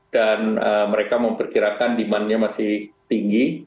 dan mereka memperkirakan demandnya masih tinggi